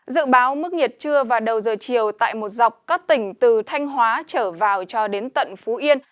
dự báo mức nhiệt trưa và đầu giờ chiều tại một dọc các tỉnh từ thanh hóa trở vào cho đến tận phú yên